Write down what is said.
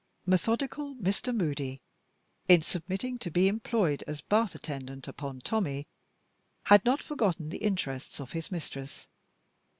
Methodical Mr. Moody, in submitting to be employed as bath attendant upon Tommie, had not forgotten the interests of his mistress.